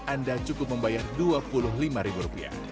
anda cukup membayar rp dua puluh lima